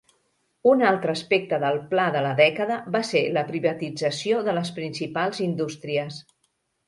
Un altre aspecte del pla de la dècada va ser la privatització de les principals indústries.